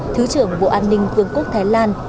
thứ trưởng bộ an ninh vương quốc thái lan